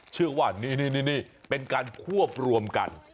เชื่อว่านี่เป็นการควบรวมกัน